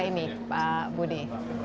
ini pak budi